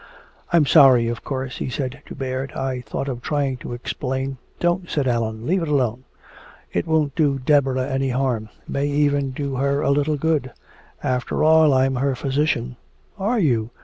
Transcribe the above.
"I'm sorry, of course," he said to Baird. "I thought of trying to explain " "Don't," said Allan. "Leave it alone. It won't do Deborah any harm may even do her a little good. After all, I'm her physician " "Are you?"